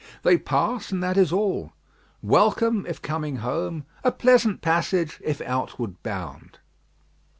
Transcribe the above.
They pass, and that is all. "Welcome," if coming home; "a pleasant passage," if outward bound.